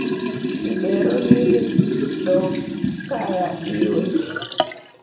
Ibero lilidookaya iwe.